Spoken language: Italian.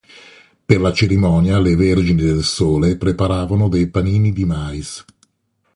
Per la cerimonia le vergini del Sole preparavano dei panini di mais.